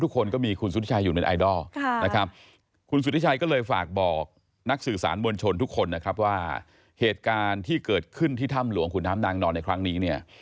ที่ทำหลวงขุนน้ำนางนอนในครั้งนี้เนี่ย